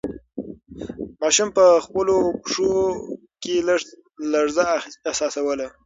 ماشوم په خپلو پښو کې لږه لړزه احساسوله.